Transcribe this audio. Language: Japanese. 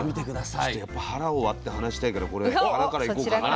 ちょっとやっぱ腹を割って話したいからこれ腹から行こうかな。